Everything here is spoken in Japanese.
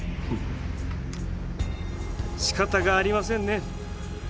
しかたがありませんね。